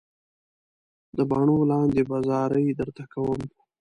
د باڼو لاندې به زارۍ درته کوم.